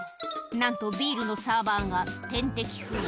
なんとビールのサーバーが点滴風